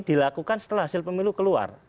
dilakukan setelah hasil pemilu keluar